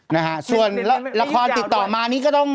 นะฮะส่วนละครติดต่อมานี่ก็ต้อง